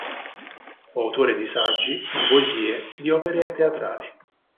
Fu autore di saggi, di poesie, di opere teatrali.